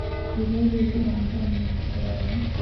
ya Krioli lugha ambayo ni hatua ya